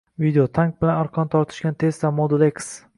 Video: Tank bilan arqon tortishgan Tesla Model X